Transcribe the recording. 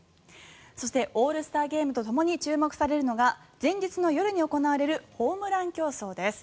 そしてオールスターゲームとともに注目されるのが前日の夜に行われるホームラン競争です。